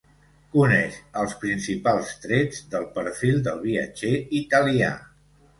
Coneix els principals trets del perfil del viatger italià.